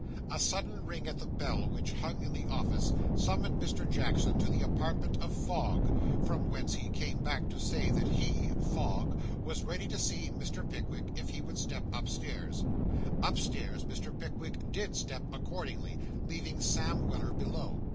A sudden ring at the bell which hung in the office, summoned Mr. Jackson to the apartment of Fogg, from whence he came back to say that he (Fogg) was ready to see Mr. Pickwick if he would step upstairs. Upstairs Mr. Pickwick did step accordingly, leaving Sam Weller below.